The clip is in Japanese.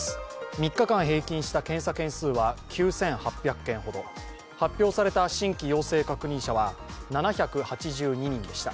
３日間平均した検査件数は９８００件ほど発表された新規陽性確認者は７８２人でした。